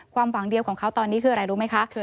ความหวังเดียวของเขาตอนนี้คืออะไรรู้ไหมคะ